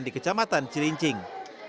di kecamatan cilincing